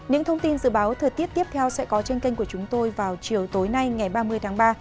những thông tin dự báo thời tiết tiếp theo sẽ có trên kênh của chúng tôi vào chiều tối nay ngày ba mươi tháng ba